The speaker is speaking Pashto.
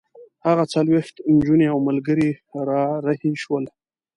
هغه څلوېښت نجونې او ملګري را رهي شول.